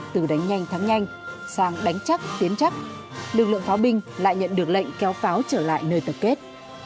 từ đánh nhanh thắng nhanh sang đánh chắc tiến chắc lực lượng pháo binh lại nhận được lệnh kéo pháo trở lại nơi tập kết